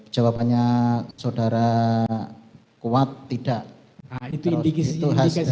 jawabannya saudara kuat tidak itu indikasi